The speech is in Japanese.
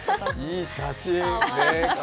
いい写真。